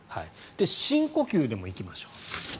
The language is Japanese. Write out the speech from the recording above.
深呼吸でもいきましょう。